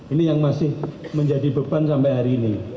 ini yang masih menjadi beban sampai hari ini